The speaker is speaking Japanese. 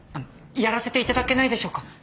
やらせていただけないでしょうか？